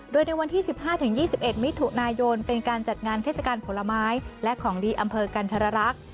โดยในวันที่๑๕๒๑มิถุนายนเป็นการจัดงานเทศกาลผลไม้และของดีอำเภอกันธรรักษ์